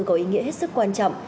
có ý nghĩa hết sức quan trọng